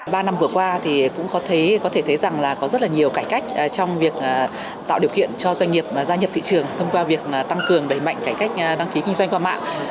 ba năm vừa qua thì cũng có thể thấy rằng là có rất là nhiều cải cách trong việc tạo điều kiện cho doanh nghiệp gia nhập thị trường thông qua việc tăng cường đẩy mạnh cải cách đăng ký kinh doanh qua mạng